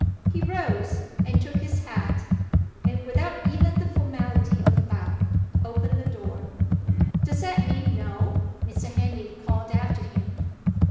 He rose, and took his hat and, without even the formality of a bow, opened the door. "Does that mean No?" Mr. Henley called after him.